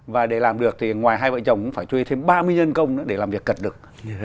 và để làm được thì ngoài hai vợ chồng cũng phải thuê thêm ba mươi nhân công nữa để làm việc cật được